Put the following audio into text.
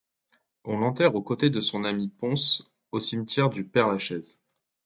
On l'enterre aux côtés de son ami Pons au cimetière du père Lachaise.